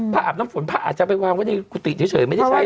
อาบน้ำฝนพระอาจจะไปวางไว้ในกุฏิเฉยไม่ได้ใช้